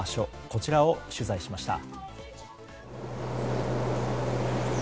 こちらを取材しました。